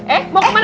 eh mau ke mana